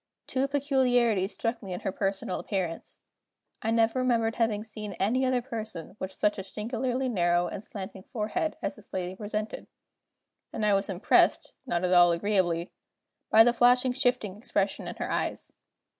Two peculiarities struck me in her personal appearance. I never remembered having seen any other person with such a singularly narrow and slanting forehead as this lady presented; and I was impressed, not at all agreeably, by the flashing shifting expression in her eyes.